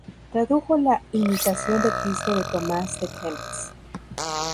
Tradujo la "Imitación de Cristo" de Tomás de Kempis.